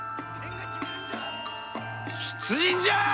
出陣じゃあ！